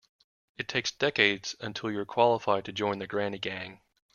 It takes decades until you're qualified to join the granny gang.